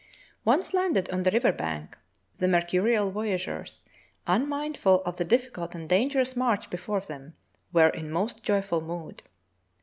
Once landed on the river bank, the mercurial voya geurs, unmindful of the difficult and dangerous march before them, were in most joyful mood.